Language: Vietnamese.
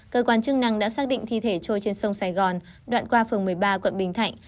cơ quan chức năng đã xác định thi thể trôi trên sông sài gòn đoạn qua phường một mươi ba quận bình thạnh